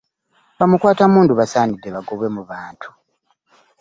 Bamukwata mundu basanidde bagobwe mu bantu.